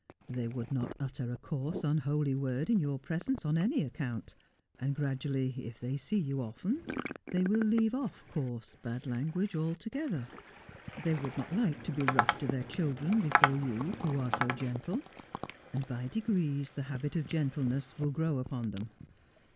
They would not utter a coarse, unholy word in your presence Drifting Apart. 259 on any account ; and gradually, if they see you often, they will leave off coarse, bad language altogether. They would not like to be rough with their children before you, who are so gentle ; and by degrees the habit of gentleness will grow upon them.